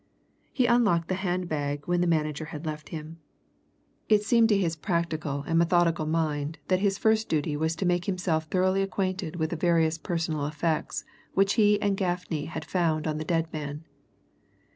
He unlocked the hand bag when the manager had left him. It seemed to his practical and methodical mind that his first duty was to make himself thoroughly acquainted with the various personal effects which he and Gaffney had found on the dead man.